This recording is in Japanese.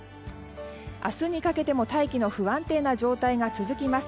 明日にかけても大気の不安定な状態が続きます。